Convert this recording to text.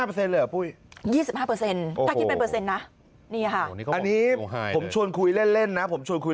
ครับ๒๕เลยหรือปุ้ย